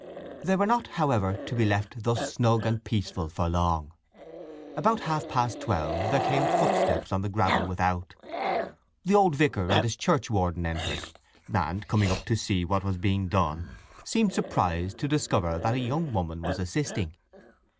They were not, however, to be left thus snug and peaceful for long. About half past twelve there came footsteps on the gravel without. The old vicar and his churchwarden entered, and, coming up to see what was being done, seemed surprised to discover that a young woman was assisting.